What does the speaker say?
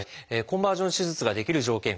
コンバージョン手術ができる条件